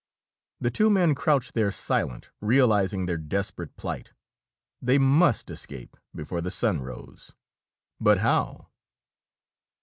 The two men crouched there silent, realizing their desperate plight. They must escape, before the sun rose. But how?